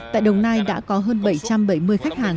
tại đồng nai đã có hơn bảy trăm bảy mươi khách hàng